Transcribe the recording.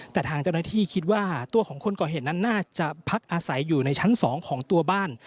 แต่ทางเจ้าหน้าที่คิดว่าตัวของคนก่อเหตุนั้นน่าจะพักอาศัยอยู่ในชั้น๒ของตัวบ้าน